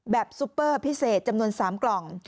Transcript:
ซุปเปอร์พิเศษจำนวน๓กล่อง